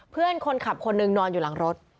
เพื่อนคนขับคนหนึ่งนอนอยู่หลังรถ